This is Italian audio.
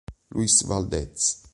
Luis Valdez